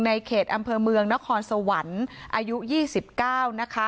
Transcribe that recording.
ในเขตอำเภอเมืองนครสวรรค์อายุ๒๙นะคะ